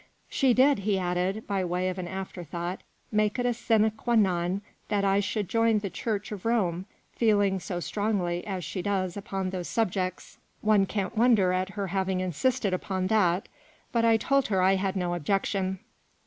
" She did," he added, by way of an after thought, " make it a sine qua non that I should join the Church of Rome feeling so strongly as she does upon those subjects, one can't wonder at her having insisted upon that but I told her I had no objection."